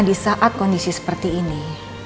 di saat kondisi seperti ini